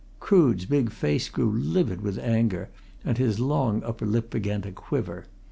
Crood's big face grew livid with anger, and his long upper lip began to quiver.